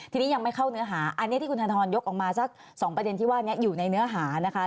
ทีนี้ยังไม่เข้าเนื้อหาอันนี้ที่คุณธนทรยกออกมาสัก๒ประเด็นที่ว่านี้อยู่ในเนื้อหานะคะ